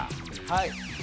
はい。